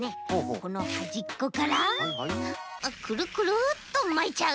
このはじっこからクルクルっとまいちゃう。